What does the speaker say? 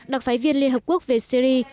đặc phái viên liên hợp quốc về syri